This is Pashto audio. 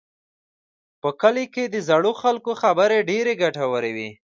په کلي کې د زړو خلکو خبرې ډېرې ګټورې وي.